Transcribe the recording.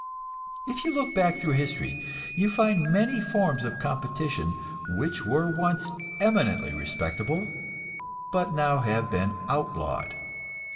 If you look back through history, you find many forms of competition which were once eminently respectable, but now have been outlawed.